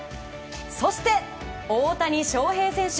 そして、大谷翔平選手。